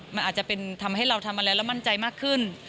มันอาจจะเป็นทำให้เราทำอะไรแล้วมั่นใจมากขึ้น